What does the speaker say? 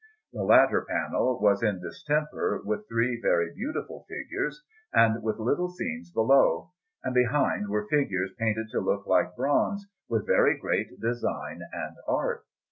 The latter panel was in distemper, with three very beautiful figures, and with little scenes below; and behind were figures painted to look like bronze, with very great design and art.